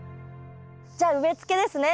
じゃあ植えつけですね。